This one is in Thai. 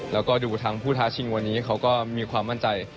แล้วก็ดูทางผู้ท้าชิงวันนี้เขาก็มีความมั่นใจ